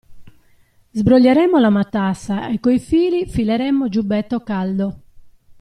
Sbroglieremo la matassa e coi fili fileremo giubbetto caldo.